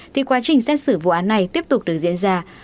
thì quá trình xét xử vụ án này tiếp tục được diễn ra